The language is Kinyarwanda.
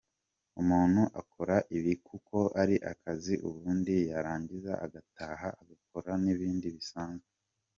Umuntu akora ibi kuko ari akazi, ubundi yarangiza agataha agakora n’ibindi bisanzwe.